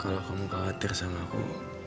kalau kamu khawatir sama aku